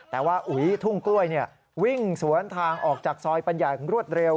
แต่ว่าอุ๋ยทุ่งกล้วยวิ่งสวนทางออกจากซอยปัญญาของรวดเร็ว